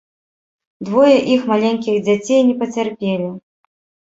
Двое іх маленькіх дзяцей не пацярпелі.